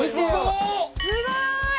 すごい！